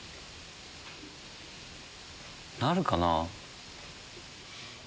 鳴るかな？